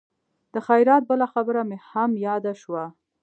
د خیرات بله خبره مې هم یاده شوه.